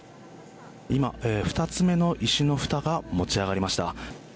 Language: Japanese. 今、２つ目の石のふたが持ち上がりました。